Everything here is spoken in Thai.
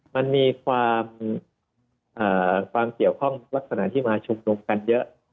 มันมีความเกี่ยวข้องลักษณะที่มาชุมนุมกันเยอะ